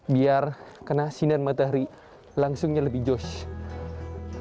biar kena sinar matahari langsungnya lebih george